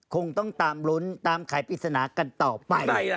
คงต้องตามลุ้นตามขายปริศนากันต่อไป